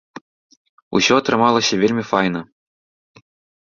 Усё атрымалася вельмі файна!